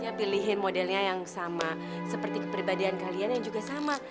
ya pilihin modelnya yang sama seperti kepribadian kalian yang juga sama